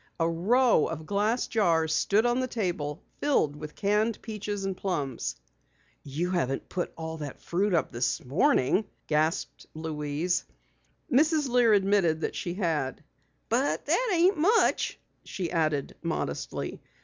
A row of glass jars stood on the table, filled with canned plums and peaches. "You haven't put up all that fruit this morning?" gasped Louise. Mrs. Lear admitted that she had. "But that ain't much," she added modestly.